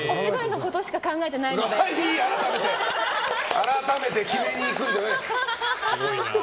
改めて決めにいくんじゃない！